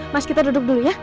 mas kita duduk dulu ya